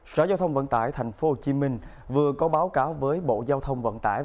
sở giao thông vận tải thành phố hồ chí minh vừa có báo cáo với bộ giao thông vận tải